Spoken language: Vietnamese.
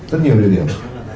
rất nhiều địa điểm